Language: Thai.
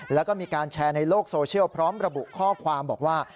แล้วก็มีการแชร์ในโลกโซเชียลพร้อมระบุข้อความบอกว่า